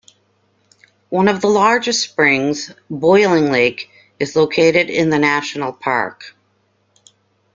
One of the largest springs, Boiling Lake, is located in the national park.